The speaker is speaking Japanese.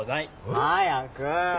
早く。